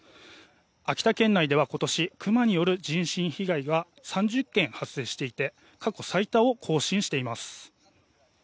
秋田県内では今年クマによる人身被害は３０件発生していて過去最多を更新しています。